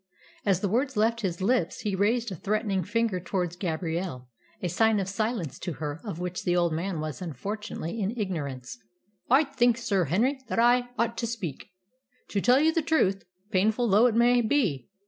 As the words left his lips he raised a threatening finger towards Gabrielle, a sign of silence to her of which the old man was unfortunately in ignorance. "I think, Sir Henry, that I ought to speak to tell you the truth, painful though it may be.